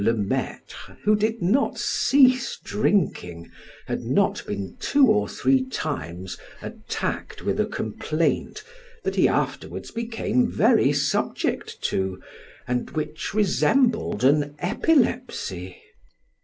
le Maitre (who did not cease drinking) had not been two or three times attacked with a complaint that he afterwards became very subject to, and which resembled an epilepsy.